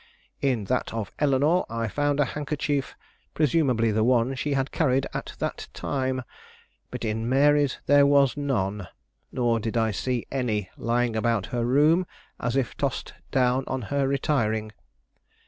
In that of Eleanore I found a handkerchief, presumably the one she had carried at that time. But in Mary's there was none, nor did I see any lying about her room as if tossed down on her retiring.